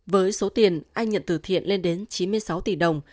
với số tiền anh nhận từ thiện lên đến chín mươi sáu tỷ đồng